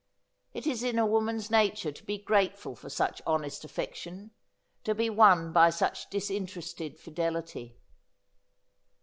It is in a woman's nature to be grateful for such honest affection, to be won by such disin terested fidelity.